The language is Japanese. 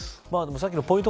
さっきのポイント